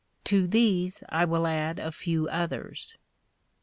To these, I will add a few others.